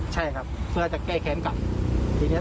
ใช่ครับเพื่อจะแก้แขนกลับ